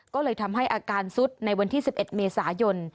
ก็เลยทำให้อาการสุดในวันที่๑๑เมษายน